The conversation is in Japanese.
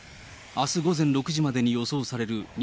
あす午前６時までに予想される